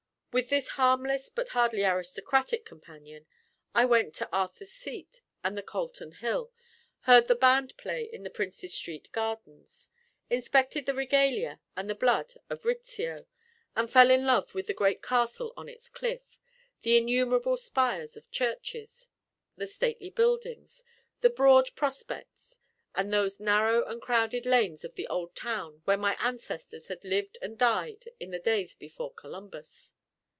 With this harmless but hardly aristocratic companion, I went to Arthur's Seat and the Calton Hill, heard the band play in the Princes Street Gardens, inspected the regalia and the blood of Rizzio, and fell in love with the great castle on its cliff, the innumerable spires of churches, the stately buildings, the broad prospects, and those narrow and crowded lanes of the old town where my ancestors had lived and died in the days before Columbus.